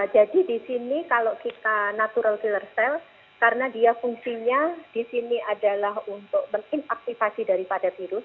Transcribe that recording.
jadi di sini kalau kita natural killer cell karena dia fungsinya di sini adalah untuk meng inaktivasi daripada virus